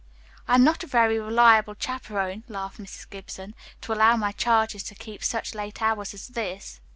"I am not a very reliable chaperon," laughed Mrs. Gibson, "to allow my charges to keep such late hours as this."